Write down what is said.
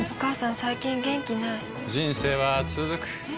最近元気ない人生はつづくえ？